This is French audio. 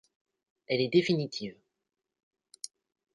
Elle est définitive.